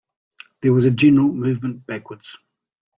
There was a general movement backwards.